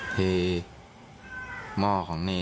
เทหม้อของเณร